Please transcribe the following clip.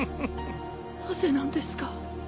なぜなんですか。